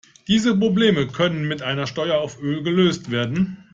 Diese Probleme können mit einer Steuer auf Öl gelöst werden.